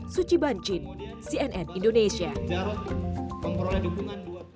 suci bancin cnn indonesia